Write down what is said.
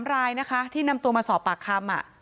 ๓รายที่นำตัวมาสอบปากคำ